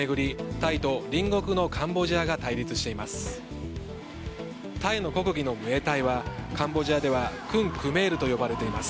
タイと隣国のカンボジアが対立しています。